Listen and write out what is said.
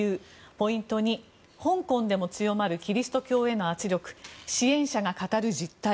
ポイント２、香港でも強まるキリスト教への圧力支援者が語る実態。